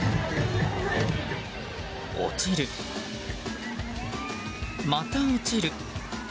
落ちる、また落ちる。